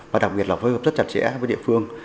và đặc biệt là phối hợp rất chặt chẽ với địa phương